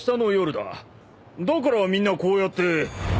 だからみんなこうやって。